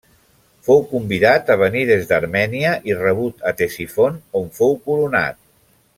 Fou convidat a venir des d'Armènia i rebut a Ctesifont on fou coronat.